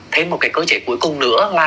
thêm một cái cơ chế cuối cùng nữa là